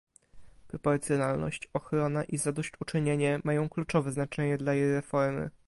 Proporcjonalność, ochrona i zadośćuczynienie mają kluczowe znaczenie dla jej reformy